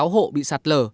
ba mươi sáu hộ bị sạt lở